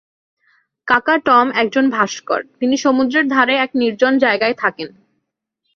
কাকা টম একজন ভাস্কর তিনি সমুদ্রের ধারে এক নির্জন জায়গায় থাকেন।